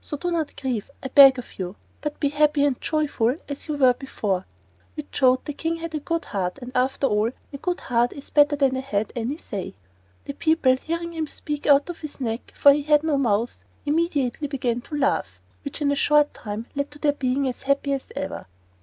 So do not grieve, I beg of you, but be happy and joyful as you were before." Which showed the King had a good heart; and, after all, a good heart is better than a head, any say. The people, hearing him speak out of his neck (for he had no mouth), immediately began to laugh, which in a short time led to their being as happy as ever.